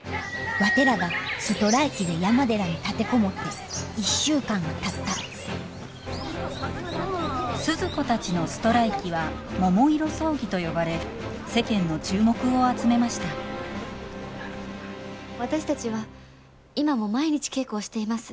ワテらがストライキで山寺に立て籠もって１週間がたったスズ子たちのストライキは桃色争議と呼ばれ世間の注目を集めました私たちは今も毎日稽古をしています。